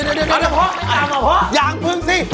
เออได้แล้วเอาไว้ใส่ก่อนเอาแล้วได้แล้วเออใส่กระเทียม